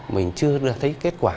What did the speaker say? mình chưa thấy kết quả